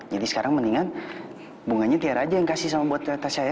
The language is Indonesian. jadi sekarang mendingan bunganya tiara aja yang kasih sama buat kak tasya ya